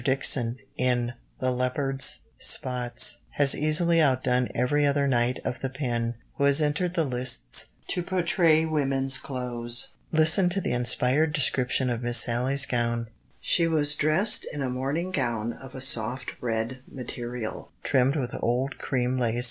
Dixon, in The Leopard's Spots, has easily outdone every other knight of the pen who has entered the lists to portray women's clothes. Listen to the inspired description of Miss Sallie's gown! "She was dressed in a morning gown of a soft red material, trimmed with old cream lace.